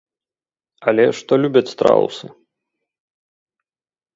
Але што любяць страусы?